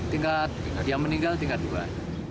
tingkat dia meninggal tingkat dua